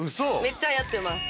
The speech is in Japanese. めっちゃはやってます。